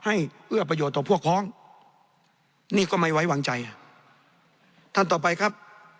เอื้อประโยชน์ต่อพวกพ้องนี่ก็ไม่ไว้วางใจท่านต่อไปครับ